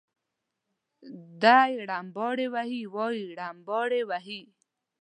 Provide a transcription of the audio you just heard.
دی رمباړې وهي وایم رمباړې وهي.